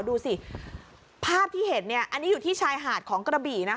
ดูสิภาพที่เห็นอันนี้อยู่ที่ชายหาดของกระบี่นะคะ